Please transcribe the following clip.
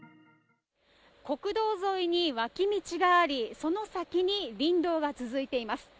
国道沿いに脇道があり、その先に林道が続いています。